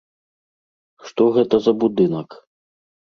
Што гэта за будынак?